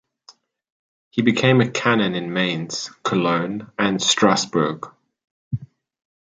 He became canon in Mainz, Cologne and Strasbourg.